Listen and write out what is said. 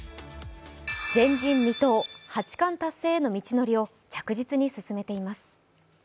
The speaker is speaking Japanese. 前人未到８冠達成への道のりを着実に進めています。